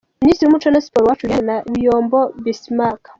Minisitiri w'umuco na Siporo Uwacu Julienne na Biyombo Bismack.